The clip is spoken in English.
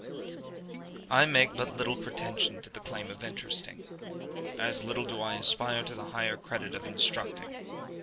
I make but little pretension to the claim of interesting; as little do I aspire to the higher credit of instructing.